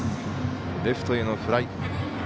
レフトへのフライ。